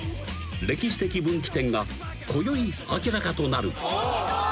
歴史的分岐点がこよい明らかとなる。